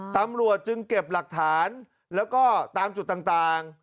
ตำรวจจึงเก็บหลักฐานแล้วก็ตามจุดต่าง